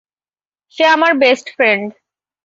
সে আমার best friend.